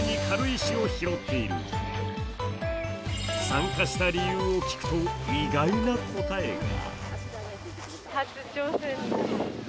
参加した理由を聞くと意外な答えが。